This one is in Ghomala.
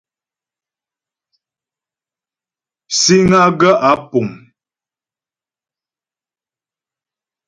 Síŋ á gaə̂ ǎ pùŋ.